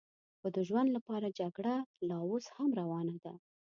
خو د ژوند لپاره جګړه لا اوس هم روانه ده.